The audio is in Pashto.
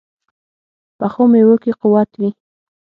پخو میوو کې قوت وي